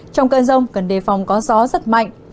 trong cơn rông cần đề phòng có gió rất mạnh